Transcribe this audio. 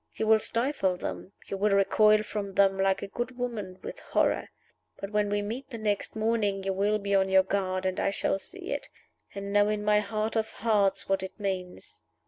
You will stifle them; you will recoil from them, like a good woman, with horror. But when we meet the next morning you will be on your guard, and I shall see it, and know in my heart of hearts what it means.